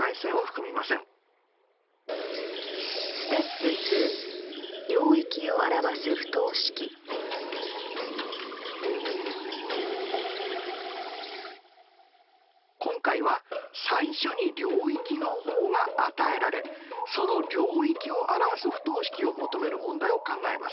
このことをまとめますとまた今回は最初に領域の方が与えられその領域を表す不等式を求める問題を考えます。